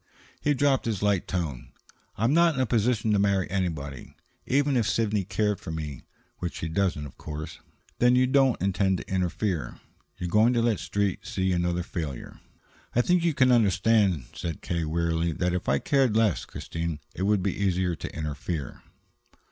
He dropped his light tone. "I'm not in a position to marry anybody. Even if Sidney cared for me, which she doesn't, of course " "Then you don't intend to interfere? You're going to let the Street see another failure?" "I think you can understand," said K. rather wearily, "that if I cared less, Christine, it would be easier to interfere."